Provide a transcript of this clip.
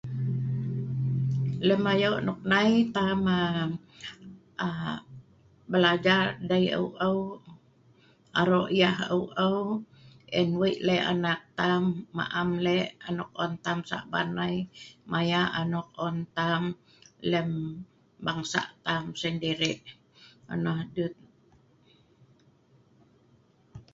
lem ayok nok nai tam aa belajar dei eu eu arok yah eu eu en weik lek anak tam ma am lek anok on tam Saban nai mayak anok on tam lem bangsa tam sendiri nonoh dut